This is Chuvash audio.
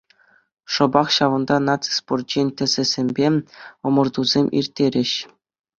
Шӑпах ҫавӑнта наци спорчӗн тӗсӗсемпе ӑмӑртусем ирттерӗҫ.